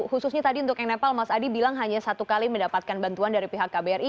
khususnya tadi untuk yang nepal mas adi bilang hanya satu kali mendapatkan bantuan dari pihak kbri